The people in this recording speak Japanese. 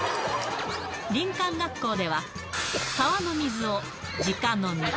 林間学校では、川の水をじか飲み。